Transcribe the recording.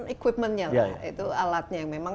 equipment nya itu alatnya yang memang